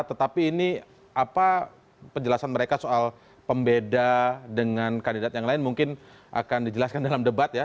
tetapi ini apa penjelasan mereka soal pembeda dengan kandidat yang lain mungkin akan dijelaskan dalam debat ya